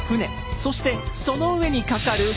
そしてその上に架かる橋。